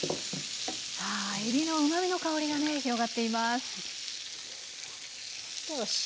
えびのうまみの香りがね広がっています。